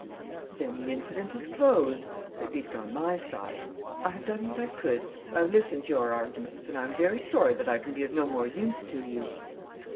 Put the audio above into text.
"Then the incident is closed ... at least on my side. I have done what I could, I have listened to your arguments and I am very sorry that I can be of no more use to you...."